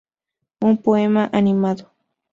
Un poema animado...